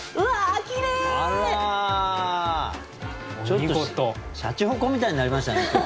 ちょっとしゃちほこみたいになりましたね。